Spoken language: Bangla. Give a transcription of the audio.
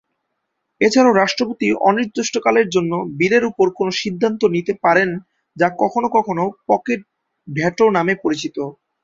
এছাড়াও রাষ্ট্রপতি অনির্দিষ্টকালের জন্যে বিলের উপর কোন সিদ্ধান্ত নিতে পারেন যা কখনো কখনো পকেট ভেটো নামে পরিচিত।